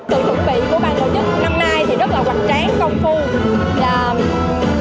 tự chuẩn bị của ba tổ chức năm nay thì rất là hoạch tráng công phu